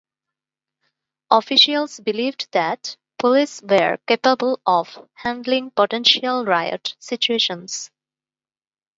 Officials believed that police were capable of handling potential riot situations.